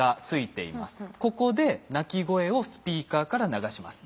ここで鳴き声をスピーカーから流します。